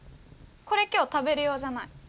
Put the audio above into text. これ今日食べる用じゃない。